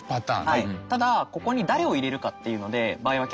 はい。